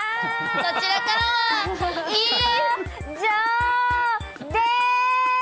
こちらからは以上です。